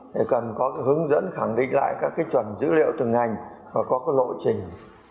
thì cần có hướng dẫn khẳng định lại các chuẩn dữ liệu từng ngành và có lộ trình